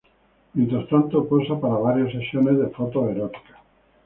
Mientras tanto, posa para varias sesiones de fotos eróticas.